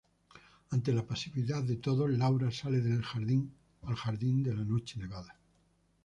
Ante la pasividad de todos, Laura sale al jardín de la noche nevada.